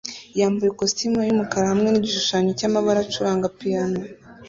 yambaye ikositimu yumukara hamwe nigishushanyo cyamabara acuranga piano